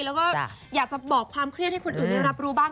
แล้วก็สามารถบอกความเครี่ยดให้คุณอื่นรับรู้บ้าง